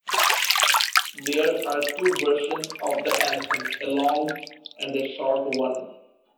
There are two versions of the anthem: a long and a short one.